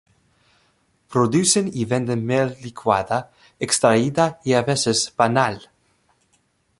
Producen y venden miel líquida, extraída, y a veces, panal.